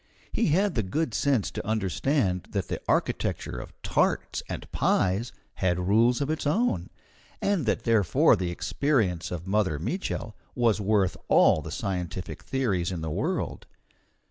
He had the good sense to understand that the architecture of tarts and pies had rules of its own, and that therefore the experience of Mother Mitchel was worth all the scientific theories in the world.